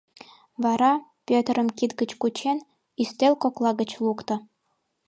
Вара, Пӧтырым кид гыч кучен, ӱстел кокла гыч лукто.